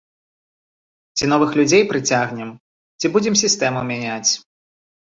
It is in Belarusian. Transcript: Ці новых людзей прыцягнем, ці будзем сістэму мяняць.